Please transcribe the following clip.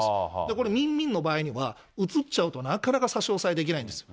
これ民民の場合には移っちゃうと、なかなか差し押さえできないんですよ。